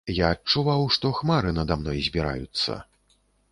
Я адчуваў, што хмары над мной збіраюцца.